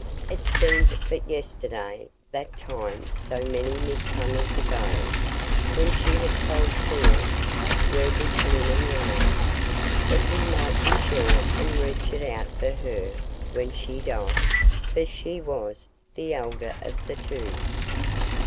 It seemed but yesterday—that time so many midsummers ago, when she had told Thias where this linen lay, that he might be sure and reach it out for her when she died, for she was the elder of the two.